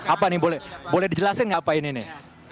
apa nih boleh dijelaskan nggak apa ini nih